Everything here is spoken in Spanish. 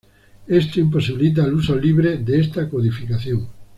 Esto imposibilita el uso libre de esta codificación.